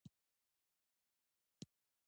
شواب ته هغه ماښامنۍ مېلمستیا یوه نښه وه